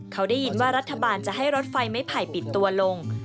เขาได้ยินว่ารัฐบาลจะให้รถไฟไม้ไผ่ปิดตัวลง